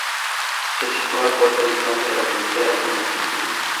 Se sitúa a corta distancia de la frontera con la Argentina.